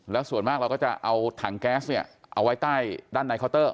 แล้วส่วนมากเราก็จะเอาถังแก๊สเนี่ยเอาไว้ใต้ด้านในเคาน์เตอร์